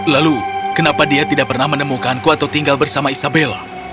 lalu kenapa dia tidak pernah menemukanku atau tinggal bersama isabella